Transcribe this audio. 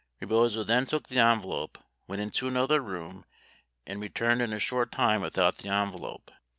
Rebozo then took the en velope, went into another room, and returned in a short time without the envelope.